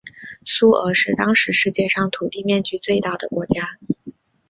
苏俄是当时世界上土地面积最大的国家。